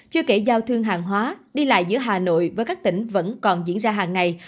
chưa kể giao thương hàng hóa đi lại giữa hà nội với các tỉnh vẫn còn diễn ra hàng ngày